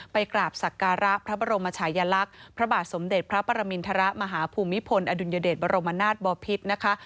กราบศักระพระบรมชายลักษณ์พระบาทสมเด็จพระปรมินทรมาฮภูมิพลอดุลยเดชบรมนาศบอพิษนะคะ